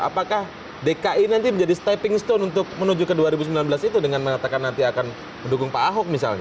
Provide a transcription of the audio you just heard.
apakah dki nanti menjadi stepping stone untuk menuju ke dua ribu sembilan belas itu dengan mengatakan nanti akan mendukung pak ahok misalnya